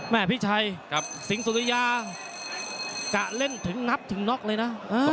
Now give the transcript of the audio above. พี่ชัยกับสิงสุริยากะเล่นถึงนับถึงน็อกเลยนะ